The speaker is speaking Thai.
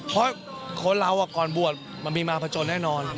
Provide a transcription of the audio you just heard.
เพราะคนเราก่อนบวชมันมีมาผจญแน่นอน